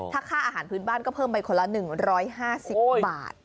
ถ้าค่าอาหารพื้นบ้านก็เพิ่มไปคนละ๑๕๐บาท